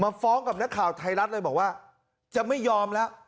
ฟ้องกับนักข่าวไทยรัฐเลยบอกว่าจะไม่ยอมแล้ว